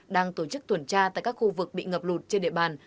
đang tổ chức tuần tra tại các khu vực bị ngập lụt trên địa bàn